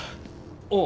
ああ。